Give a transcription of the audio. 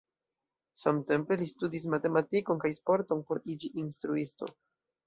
Samtempe li studis matematikon kaj sporton por iĝi instruisto.